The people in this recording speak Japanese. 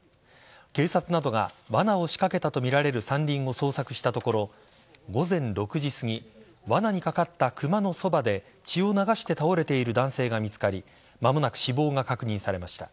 警察などがわなを仕掛けたとみられる山林を捜索したところ午前６時すぎわなにかかったクマのそばで血を流して倒れている男性が見つかり間もなく死亡が確認されました。